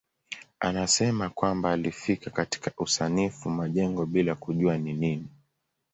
Anasema kwamba alifika katika usanifu majengo bila kujua ni nini.